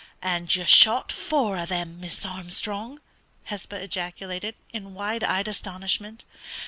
"And you shot four of them, Miss Armstrong!" Hesba ejaculated, in wide eyed astonishment.